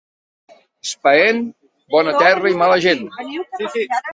Espaén, bona terra i mala gent.